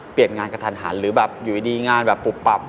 เปลี่ยนงานกระทันหันหรือแบบอยู่ดีงานแบบปุบป่ำ